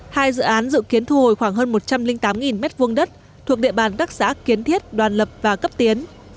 hai dự án dự kiến thu hồi khoảng hơn một trăm linh tám m hai đất thuộc địa bàn các xã kiến thiết đoàn lập và cấp tiến